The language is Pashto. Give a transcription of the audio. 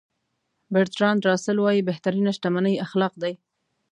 برتراند راسل وایي بهترینه شتمني اخلاق دي.